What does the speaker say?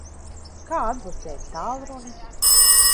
Kā atbloķēt tālruni?